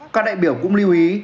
các đại biểu cũng lưu ý